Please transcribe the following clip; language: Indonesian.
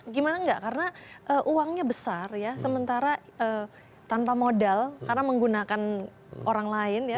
gimana enggak karena uangnya besar ya sementara tanpa modal karena menggunakan orang lain ya